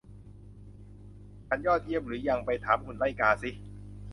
ฉันยอดเยี่ยมหรือยัง ไปถามหุ่นไล่กาสิ